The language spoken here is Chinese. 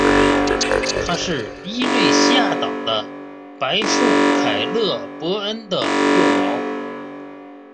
它是伊瑞西亚岛的白树凯勒博恩的幼苗。